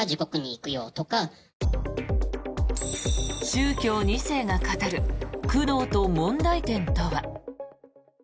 宗教２世が語る苦悩と問題点とは。